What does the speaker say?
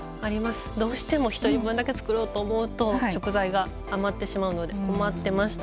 どうしても１人分だけ作ろうとすると食材が余ってしまうので困ってました。